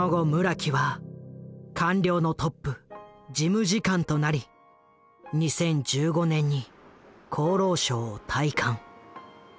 木は官僚のトップ事務次官となり２０１５年に厚労省を退官。